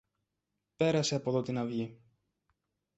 Πέρασε από δω την αυγή.